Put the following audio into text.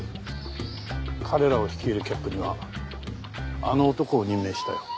彼らを率いるキャップにはあの男を任命したよ。